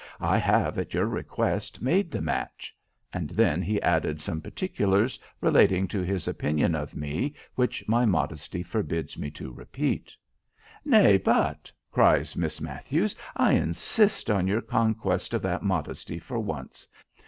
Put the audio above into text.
I have, at your request, made the match;' and then he added some particulars relating to his opinion of me, which my modesty forbids me to repeat." "Nay, but," cries Miss Matthews, "I insist on your conquest of that modesty for once.